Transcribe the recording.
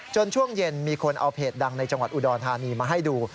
ช่วงเย็นมีคนเอาเพจดังในจังหวัดอุดรธานีมาให้ดู